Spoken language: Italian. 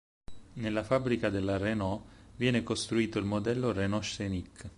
Nella fabbrica della Renault viene costruito il modello Renault Scénic.